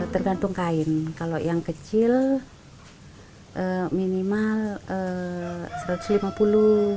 tergantung kain kalau yang kecil minimal rp satu ratus lima puluh